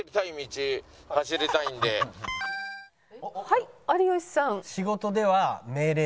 はい有吉さん。